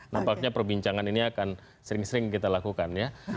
nampaknya perbincangan ini akan sering sering kita lakukan ya